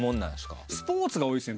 スポーツが多いですね